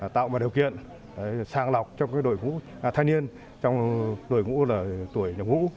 trong đội ngũ là tuổi nhập ngũ